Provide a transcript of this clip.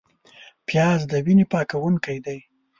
پیاز د وینې پاکوونکی دی